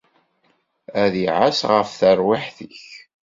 Ad iɛass ɣef terwiḥt-ik.